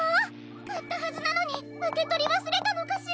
かったはずなのにうけとりわすれたのかしら！？